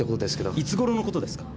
いつごろのことですか？